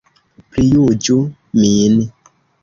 Prijuĝu min!